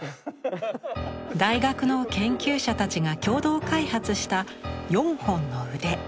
大学の研究者たちが共同開発した４本の腕。